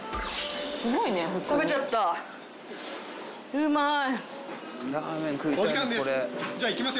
うまい。